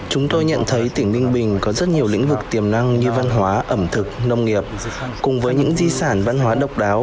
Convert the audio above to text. chúng tôi nhận thấy tỉnh ninh bình có rất nhiều lĩnh vực tiềm năng như văn hóa ẩm thực nông nghiệp cùng với những di sản văn hóa độc đáo